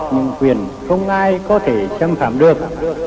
những quyền không ai có thể chăm phạm được